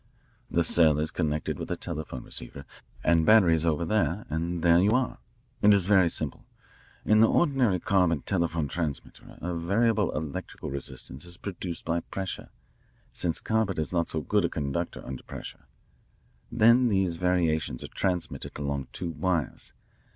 The cell is connected with a telephone receiver and batteries over there and there you are. It is very simple. In the ordinary carbon telephone transmitter a variable electrical resistance is produced by pressure, since carbon is not so good a conductor under pressure. Then these variations are transmitted along two wires.